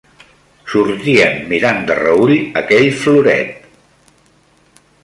Sortien mirant de reüll aquell floret